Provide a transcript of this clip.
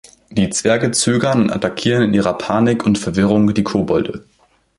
Die Zwerge zögern und attackieren in ihrer Panik und Verwirrung die Kobolde.